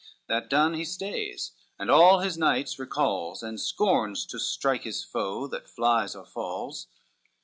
That done, he stays, and all his knights recalls, And scorns to strike his foe that flies or falls.